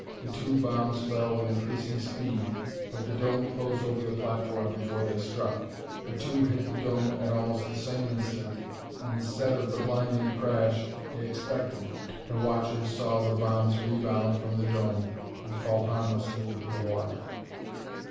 The two bombs fell with increasing speed but the dome closed over the platform before they struck. The two hit the dome at almost the same instant and instead of the blinding crash they expected, the watchers saw the bombs rebound from the dome and fall harmlessly into the water.